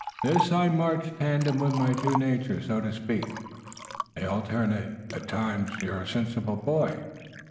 "That is I march tandem with my two natures, so to speak?" "They alternate. At times you're a sensible boy."